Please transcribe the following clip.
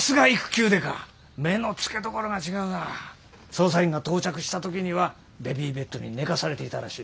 捜査員が到着した時にはベビーベッドに寝かされていたらしい。